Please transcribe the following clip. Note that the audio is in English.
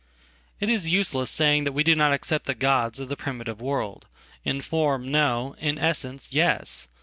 It is useless saying that we do not accept the gods of theprimitive world. In form, no; in essence, yes.